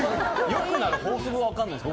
良くなる法則が分からないです。